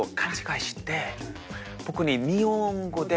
僕に。